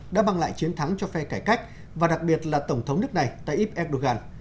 đã mang lại chiến thắng cho phe cải cách và đặc biệt là tổng thống nước này tayyip erdogan